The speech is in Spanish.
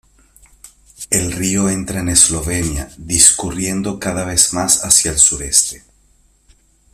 El río entra en Eslovenia, discurriendo cada vez más hacia el sureste.